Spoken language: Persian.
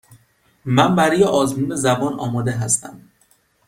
من برای آزمون زبان آماده هستم.